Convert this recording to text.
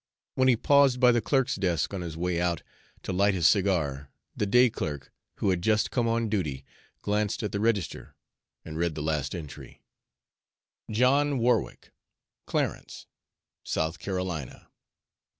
When he paused by the clerk's desk on his way out, to light his cigar, the day clerk, who had just come on duty, glanced at the register and read the last entry: "'JOHN WARWICK, CLARENCE, SOUTH CAROLINA.'